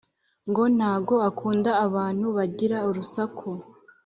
ngo ntago akunda abantu bagira urusaku